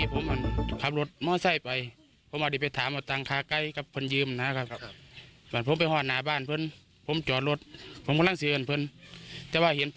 ผมกำลังซื้ออื่นยังเบื้อง้ำแหม่ม